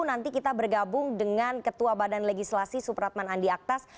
nanti kita bergabung dengan ketua badan legislasi supratman andi aktas